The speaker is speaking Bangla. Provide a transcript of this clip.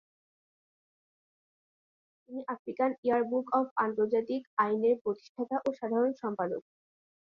তিনি আফ্রিকান ইয়ার বুক অফ আন্তর্জাতিক আইনের প্রতিষ্ঠাতা ও সাধারণ সম্পাদক।